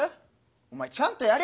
お前ちゃんとやれよ。